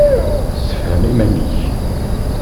Sefhem iman-ik.